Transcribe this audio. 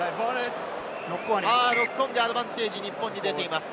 ノックオンでアドバンテージ、日本に出ています。